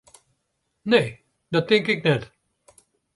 Nee, dat tink ik net.